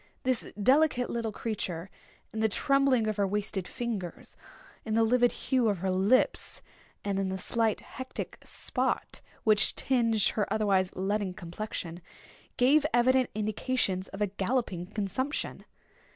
This delicate little creature, in the trembling of her wasted fingers, in the livid hue of her lips, and in the slight hectic spot which tinged her otherwise leaden complexion, gave evident indications of a galloping consumption.